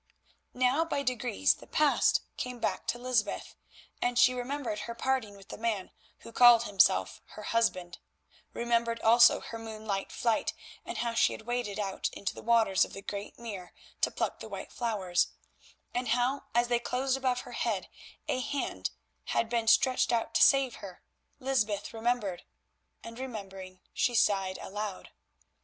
Now by degrees the past came back to Lysbeth, and she remembered her parting with the man who called himself her husband; remembered also her moonlight flight and how she had waded out into the waters of the great mere to pluck the white flowers, and how, as they closed above her head a hand had been stretched out to save her. Lysbeth remembered, and remembering, she sighed aloud.